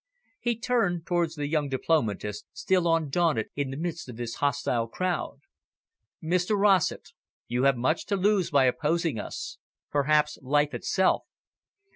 He turned towards the young diplomatist, still undaunted in the midst of this hostile crowd. "Mr Rossett, you have much to lose by opposing us perhaps life itself.